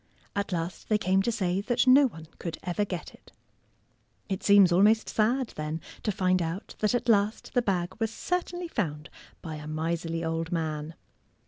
At last they came to say that no one could ever get it. It seems almost sad, then, to find out that at last the bag was certainly found by a miserly old man.